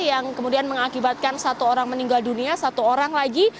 yang kemudian mengakibatkan satu orang meninggal dunia satu orang lagi